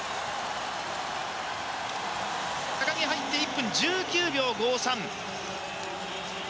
木入って１分１９秒５３。